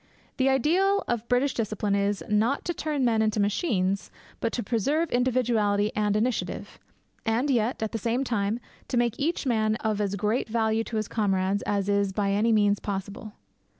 The ideal of British discipline is, not to turn men into machines, but to preserve individuality and initiative; and yet, at the same time, to make each man of as great value to his comrades as is by any means possible.